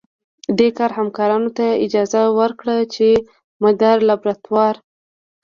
دې کار همکارانو ته اجازه ورکړه چې د مدار لابراتوار